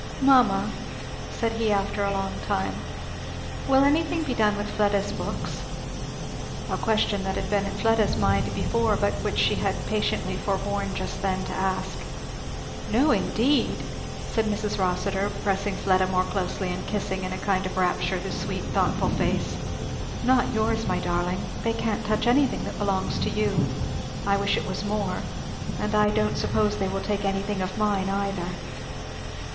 "Mamma," said he after a long time, "will anything be done with Fleda's books?" A question that had been in Fleda's mind before, but which she had patiently forborne just then to ask. "No indeed!" said Mrs. Rossitur, pressing Fleda more closely and kissing in a kind of rapture the sweet thoughtful face; "not yours, my darling; they can't touch anything that belongs to you I wish it was more and I don't suppose they will take anything of mine either."